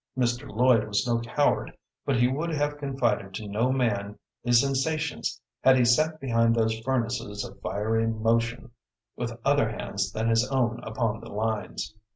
Mr. Lloyd was no coward, but he would have confided to no man his sensations had he sat behind those furnaces of fiery motion with other hands than his own upon the lines.